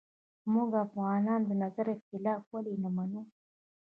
موږ افغانان د نظر اختلاف ولې نه منو